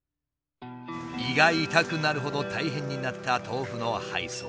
胃が痛くなるほど大変になった豆腐の配送。